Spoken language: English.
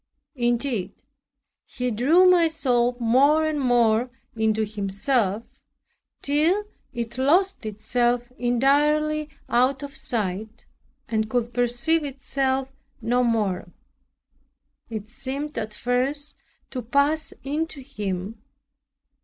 Indeed He drew my soul more and more into Himself, till it lost itself entirely out of sight, and could perceive itself no more. It seemed at first to pass into Him.